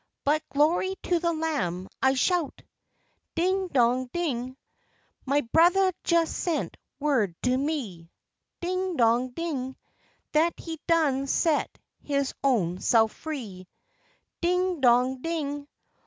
But glory to the Lamb, I shout! Ding, Dong, Ding. My bruthah jus' sent word to me, Ding, Dong, Ding. That he'd done set his own self free. Ding, Dong, Ding.